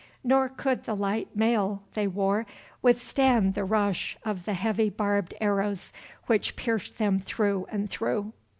Nor could the light mail they wore withstand the rush of the heavy barbed arrows which pierced them through and through.